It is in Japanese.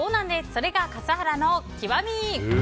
それが笠原の極み。